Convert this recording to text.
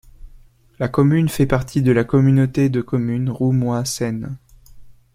La commune fait partie de la communauté de communes Roumois Seine.